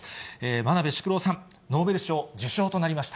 真鍋淑郎さん、ノーベル賞受賞となりました。